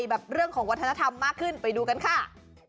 แบบเรื่องของวัฒนธรรมมากขึ้นไปดูกันค่ะ